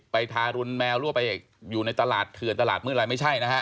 ไปทารุนแมวรั่วไปอยู่ในตลาดเกลือตลาดมืดอะไรไม่ใช่นะครับ